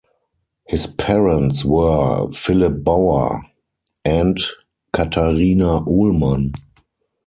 His parents were Philip Bauer and Catharina Uhlmann.